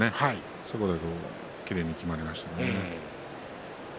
そこできれいにきまりましたね。